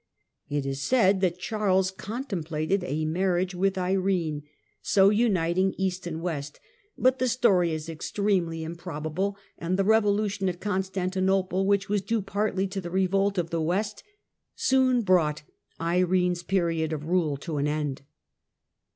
It is said that Charles contemplated a marriage with Irene, so uniting East and West. But the story is extremely improbable, and the revolution at Con stantinople, which was due partly to the revolt of the west, soon brought Irene's period of rule to an end.